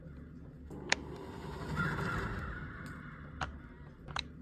Women in Video Games" y el acoso al que se enfrentó posteriormente.